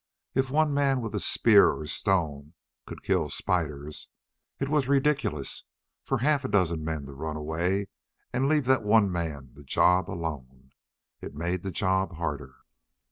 If one man with a spear or stone could kill spiders, it was ridiculous for half a dozen men to run away and leave that one man the job alone. It made the job harder.